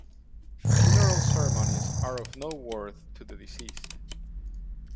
Funeral ceremonies are of no worth to the deceased.